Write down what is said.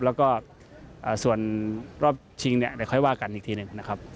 แล้วก็ส่วนรอบชิงเนี่ยเดี๋ยวค่อยว่ากันอีกทีหนึ่งนะครับ